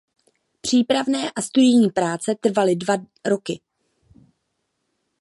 Přípravné a studijní práce trvaly dva roky.